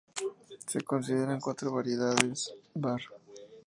Se consideran cuatro variedades: "var.